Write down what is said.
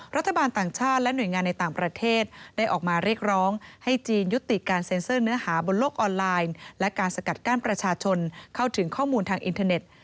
รัฐบาลต่างชาติและหน่วยงานในต่างประเทศได้ออกมาเรียกร้องให้จีนยุติการเซ็นเซอร์เนื้อหาบนโลกออนไลน์และการสกัดกั้นประชาชนเข้าถึงข้อมูลทางอินเทอร์เน็ต